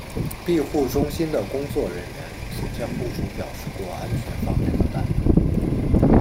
庇护中心的工作人员曾向雇主表示过安全方面的担忧。